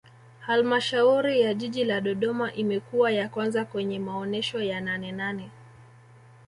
halmashauri ya jiji la dodoma imekuwa ya kwanza kwenye maonesho ya nanenane